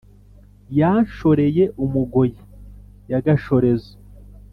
yanshoreye-umugoyi ya gashorezo